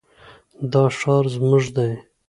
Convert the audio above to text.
دا ښار زموږ دی.